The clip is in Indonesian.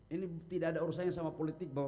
ini tidak ada urusannya sama politik bahwa